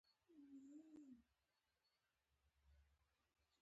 پیلوټ د مرستو الوتنې هم کوي.